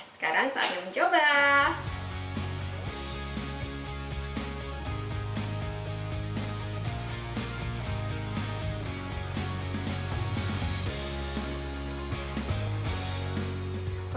sekarang saatnya mencoba